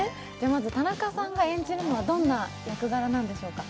まず田中さんが演じるのはどんな役柄なんでしょうか？